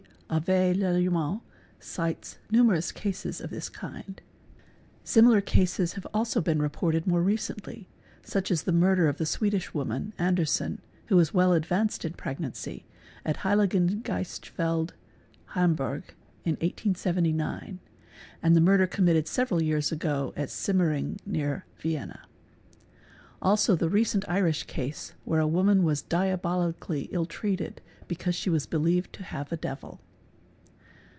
Avé Lallemant cites numerous cases of this kind", 3 Similar cases have also been reported more recently, such as the. murder _ Swedish woman, Anderson, who was well advanced in pregnancy, ub ee esti, Hamburg, in 1879 and the murder committed veral years ago at Simmering near Vienna "*®, Also the recent Irish :@ where a woman was diabolically illtreated because she was believed to have a devil.